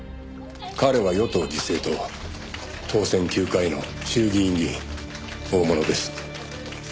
「彼は与党自生党当選９回の衆議院議員」「大物です」